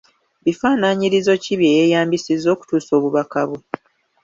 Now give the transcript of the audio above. Bifaanaanyirizo ki bye yeeyambisizza okutuusa obubaka bwe?